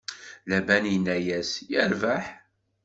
Laban inna-yas: Yerbeḥ!